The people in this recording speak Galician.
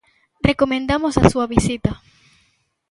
Recomendamos a súa visita.